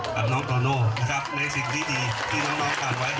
กับน้องโตโน่ในสิ่งดีที่น้องถามไว้